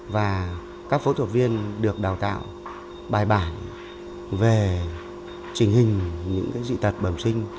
và các phẫu thuật viên được đào tạo bài bản về trình hình những dị tật bẩm sinh